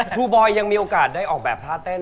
บอยยังมีโอกาสได้ออกแบบท่าเต้น